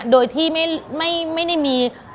โดยที่ไม่ได้มี